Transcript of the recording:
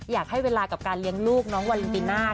อยากให้เวลากับการเลี้ยงลูกน้องวาลินติน่า